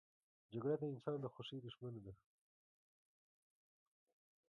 جګړه د انسان د خوښۍ دښمنه ده